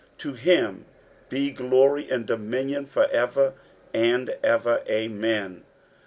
60:005:011 To him be glory and dominion for ever and ever. Amen.